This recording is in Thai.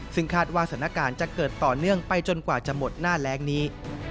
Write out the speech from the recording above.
ซึ่งคาดว่าสถานการณ์จะเกิดต่อเนื่องไปจนกว่าจะหมดหน้าแรงนี้